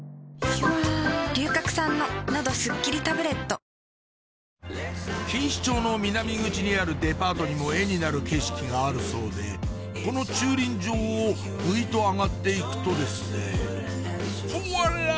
これも絵になるねぇ錦糸町の南口にあるデパートにも絵になる景色があるそうでこの駐輪場をグイっと上がって行くとですねほら！